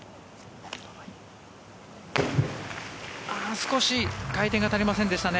少し回転が足りませんでしたね。